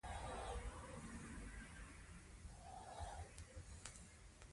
د ښه لیکدود لپاره په منطقه کي هغه يواځنۍ ژبه ده